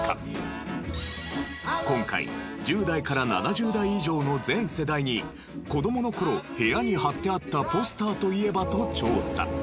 今回１０代から７０代以上の全世代に子供の頃部屋に貼ってあったポスターといえば？と調査。